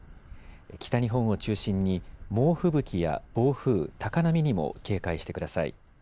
北日本を中心に猛吹雪や暴風、高波にも警戒してください。